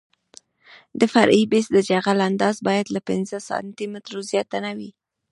د فرعي بیس د جغل اندازه باید له پنځه سانتي مترو زیاته نه وي